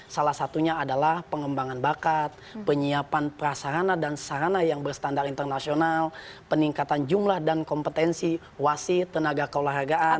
salah satunya adalah pengembangan bakat penyiapan prasarana dan sarana yang berstandar internasional peningkatan jumlah dan kompetensi wasit tenaga keolahragaan